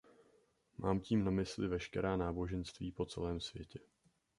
Mám tím na mysli veškerá náboženství po celém světě.